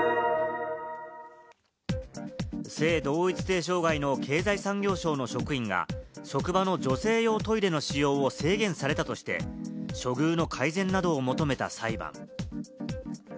性同一性障害の経済産業省の職員が職場の女性用トイレの使用を制限されたとして処遇の改善などを求めた裁判。